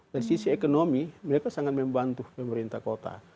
dari sisi ekonomi mereka sangat membantu pemerintah kota